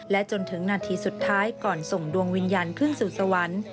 จนถึงนาทีสุดท้ายก่อนส่งดวงวิญญาณขึ้นสู่สวรรค์